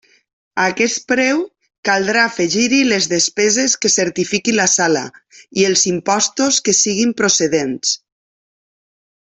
A aquest preu, caldrà afegir-hi les despeses que certifiqui la sala i els impostos que siguin procedents.